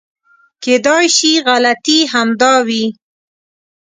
کېدای شي غلطي همدا وي .